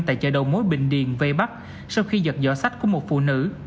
tại chợ đầu mối bình điền vây bắt sau khi giật giỏ sách của một phụ nữ